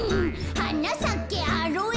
「はなさけアロエ」